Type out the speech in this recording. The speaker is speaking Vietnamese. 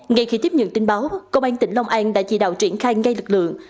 ngày khi tiếp nhận tin báo công an tỉnh lòng an đã chỉ đạo triển khai ngay lực lượng